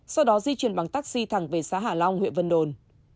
sau đó di chuyển bằng taxi thẳng về xã hà long huyện vân đồn